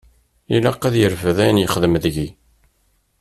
Ilaq ad yerfed ayen yexdem deg-i.